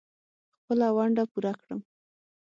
خپله ونډه پوره کړم.